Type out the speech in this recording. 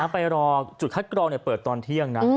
ไปรอจุดคัดกรองเปิดตอนเที่ยงนะ